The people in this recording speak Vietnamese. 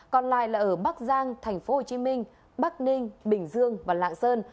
còn lại là ở bắc giang tp hcm bắc ninh bình dương và lạng sơn